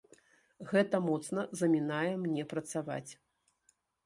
Гэта моцна замінае мне працаваць.